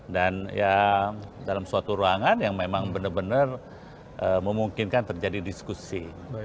dan ya dalam suatu ruangan yang memang benar benar memungkinkan terjadi diskusi